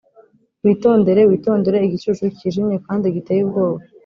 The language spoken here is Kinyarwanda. witondere, witondere igicucu kijimye kandi giteye ubwoba,